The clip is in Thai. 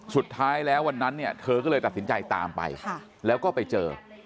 สุดท้ายแล้ววันนั้นเนี่ยเธอก็เลยตัดสินใจตามไปแล้วก็ไปเจอ